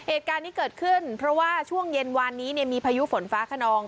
เหตุการณ์ที่เกิดขึ้นเพราะว่าช่วงเย็นวานนี้มีพายุฝนฟ้าขนอง